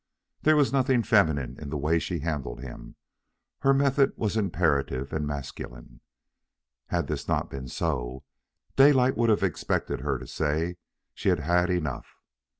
There was nothing feminine in the way she handled him; her method was imperative and masculine. Had this not been so, Daylight would have expected her to say she had had enough.